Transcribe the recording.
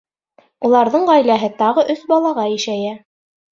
Уларҙың ғаиләһе тағы өс балаға ишәйә.